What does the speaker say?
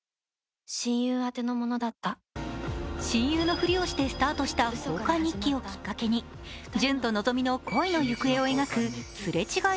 親友のふりをしてスタートした交換日記をきっかけに潤と希美の恋の行方を描くすれ違い